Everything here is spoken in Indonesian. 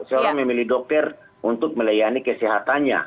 seorang memilih dokter untuk melayani kesehatannya